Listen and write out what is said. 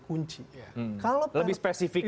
kunci kalau lebih spesifik ya